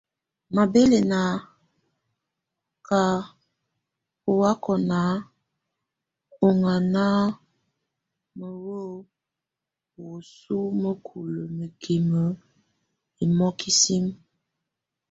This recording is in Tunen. Mabɛlɛna ka huwakɔna ɔmana məwə́ə ɔ wəsu məkulə məkimə ɛmɔkisim.